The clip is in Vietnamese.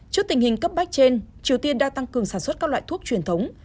trước tình hình cấp bách trên triều tiên đã tăng cường sản xuất các loại thuốc truyền thống